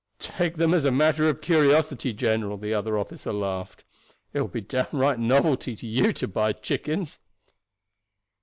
"Take them as a matter of curiosity, general," the other officer laughed. "It will be downright novelty to you to buy chickens."